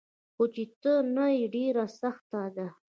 خو چي ته نه يي ډيره سخته ده